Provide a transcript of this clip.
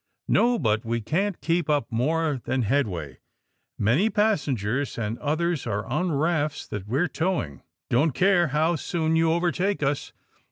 ^*No; but we can't keep up more than head way. Many passengers and others are on rafts that we're towing. Don't care how soon you overtake us.'